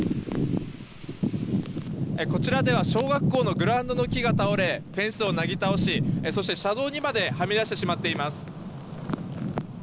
こちらでは小学校のグラウンドの木が倒れフェンスをなぎ倒しそして車道にまではみ出してしまっています。